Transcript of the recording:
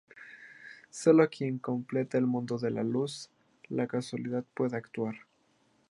Sólo quien contemple el mundo a la luz de la causalidad puede actuar.